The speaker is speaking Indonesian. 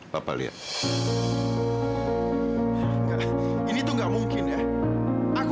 pak ibu sih